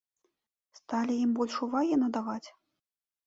Сталі ім больш увагі надаваць?